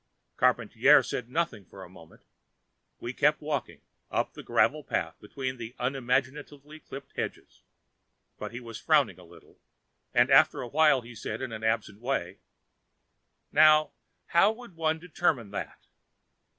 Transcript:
Charpantier said nothing for a moment. We kept walking, up the gravel path between the unimaginatively clipped hedges. But he was frowning a little, and after a while he said in an absent way: "Now, how would one determine that?"